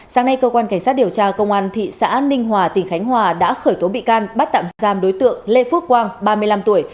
sáng nay cơ quan cảnh sát điều tra công an thị xã ninh hòa tỉnh khánh hòa đã khởi tố bị can bắt tạm giam đối tượng lê phước quang ba mươi năm tuổi